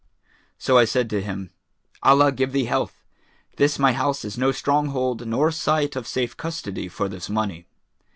So I said to him, 'Allah give thee health! This my house is no stronghold nor site of safe custody for this money.